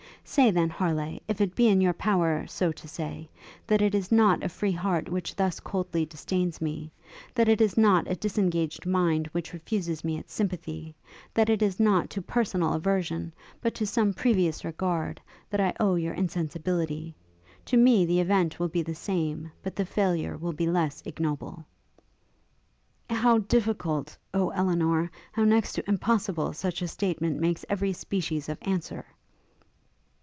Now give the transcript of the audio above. Say, then, Harleigh, if it be in your power so to say, that it is not a free heart which thus coldly disdains me; that it is not a disengaged mind which refuses me its sympathy! that it is not to personal aversion, but to some previous regard, that I owe your insensibility! To me the event will be the same, but the failure will be less ignoble.' 'How difficult, O Elinor! how next to impossible such a statement makes every species of answer!'